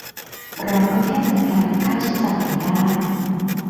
เราก็แค่จัดการกับค่าใช้จ่ายไม่ได้